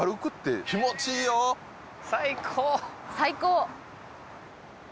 最高！